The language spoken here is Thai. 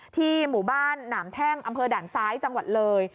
หมู่บ้านหนามแท่งอำเภอด่านซ้ายจังหวัดเลย